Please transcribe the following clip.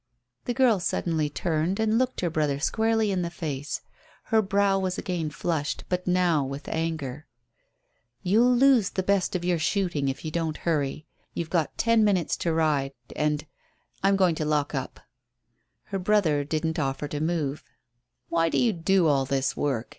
The girl suddenly turned and looked her brother squarely in the face. Her brow was again flushed, but now with anger. "You'll lose the best of your shooting if you don't hurry. You've got ten miles to ride. And I am going to lock up." Her brother didn't offer to move. "Why do you do all this work?"